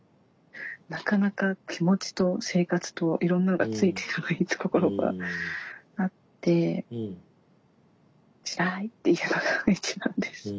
なかなか気持ちと生活といろんなのがついていかないってところがあってつらいっていうのが一番です。